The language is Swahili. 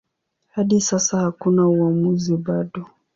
Hadi sasa hakuna uamuzi bado.